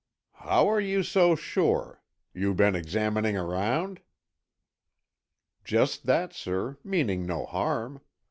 "How are you so sure? You been examining around?" "Just that, sir, meaning no harm.